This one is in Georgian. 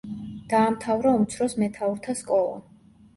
დაამთავრა უმცროს მეთაურთა სკოლა.